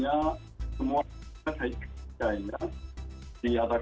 saya ingin menemukan semua penggemar dan halusan yang terkenal di seluruh dunia